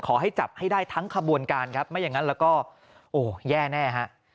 ขอให้จับให้ได้ทั้งขบวนการครับไม่อย่างนั้นแล้วก็โอ้แย่แน่ฮะ